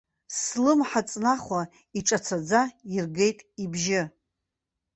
Слымҳа ҵнахуа иҿацаӡа иргеит ибжьы.